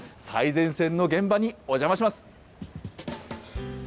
最前線の現場にお邪魔します。